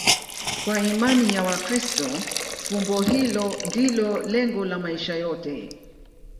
Kwa imani ya Wakristo, fumbo hilo ndilo lengo la maisha yote.